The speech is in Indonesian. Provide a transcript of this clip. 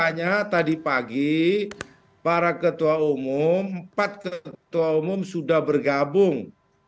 makanya tadi pagi para ketua umum empat ketua umum sudah bergabung